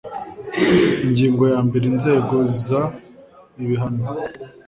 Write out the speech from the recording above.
ingingo ya mbere inzego z ibihano